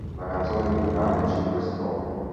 La canzone originale ha cinque strofe.